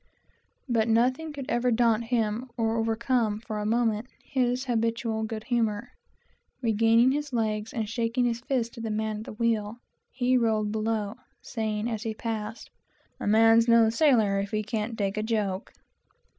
But nothing could ever daunt him, or overcome, for a moment, his habitual good humor. Regaining his legs, and shaking his fist at the man at the wheel, he rolled below, saying, as he passed, "A man's no sailor, if he can't take a joke."